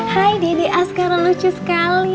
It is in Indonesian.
hai dede asghar lucu sekali